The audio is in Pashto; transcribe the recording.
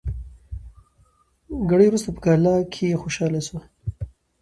ګړی وروسته په کلا کي خوشالي سوه